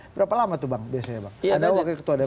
berapa lama tuh bang biasanya